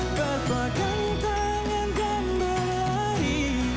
berganding tangan dan berlari